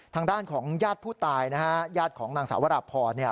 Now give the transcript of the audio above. ทางด้านของญาติผู้ตายนะฮะญาติของนางสาวราพรเนี่ย